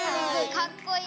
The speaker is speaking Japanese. かっこいい！